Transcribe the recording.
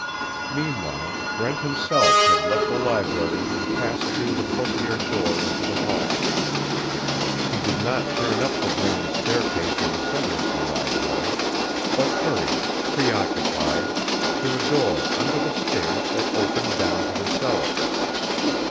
Meanwhile, Brent himself had left the library and passed through the portièred door into the hall. He did not turn up the grand staircase in the center of the wide hall, but hurried, preoccupied, to a door under the stairs that opened down to the cellar.